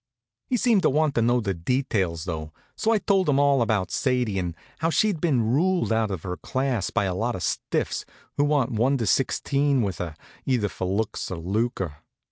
He seemed to want to know the details, though; so I told him all about Sadie, and how she'd been ruled out of her class by a lot of stiffs who wa'n't one two sixteen with her, either for looks or lucre.